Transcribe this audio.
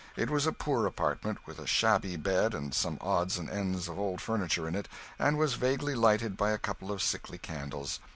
It was a poor apartment, with a shabby bed and some odds and ends of old furniture in it, and was vaguely lighted by a couple of sickly candles.